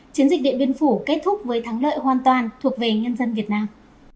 chiến dịch điện biên phủ kết thúc với thắng lợi hoàn toàn thuộc về nhân dân việt nam